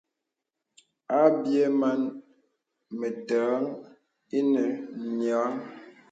Àbyɛ̌ màn mə̀tə̀ràŋ ìnə nyə̀rəŋ.